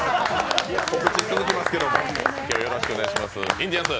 告知続きますけど、今日はよろしくお願いします。